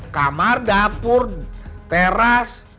kamar dapur teras